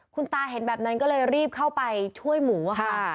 คุณตาเห็นแบบนั้นก็เลยรีบเข้าไปช่วยหมูค่ะ